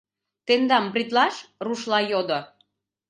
— Тендам бритлаш? — рушла йодо.